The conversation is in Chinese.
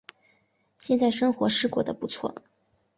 现在生活是过得不错